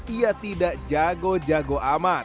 ia tidak jago jago amat